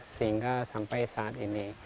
sehingga sampai saat ini